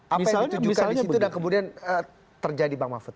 apa yang ditujukan di situ dan kemudian terjadi bang mahfud